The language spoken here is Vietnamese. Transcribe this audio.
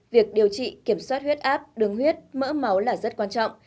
việc điều trị kiểm soát huyết áp đường huyết mỡ máu là rất quan trọng